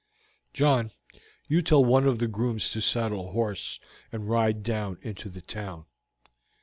John, do you tell one of the grooms to saddle a horse and ride down into the town.